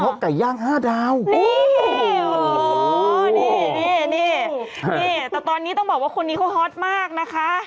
โอเคแต่ตอนนี้ต้องบอกว่าคนนี้เขาฮอตมากนะคะ